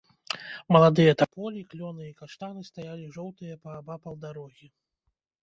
Маладыя таполі, клёны і каштаны стаялі жоўтыя паабапал дарогі.